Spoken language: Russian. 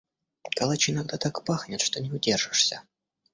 Калач иногда так пахнет, что не удержишься.